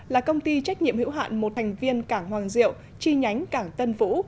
là công ty trách nhiệm hữu hạn một thành viên cảng hoàng diệu chi nhánh cảng tân vũ